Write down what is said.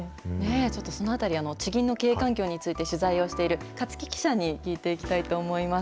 ちょっとそのあたり、地銀の経営環境について取材をしている甲木記者に聞いていきたいと思います。